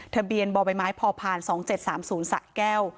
ทะเบียนบบพผ๒๗๓๐สะแก้ว